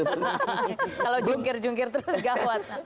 kalau jungkir jungkir terus gawat